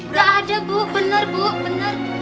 nggak ada bu bener bu bener